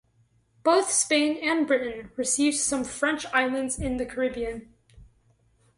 Both Spain and Britain received some French islands in the Caribbean.